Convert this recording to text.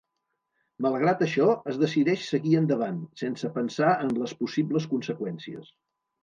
Malgrat això, es decideix seguir endavant, sense pensar en les possibles conseqüències.